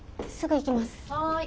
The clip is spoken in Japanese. はい。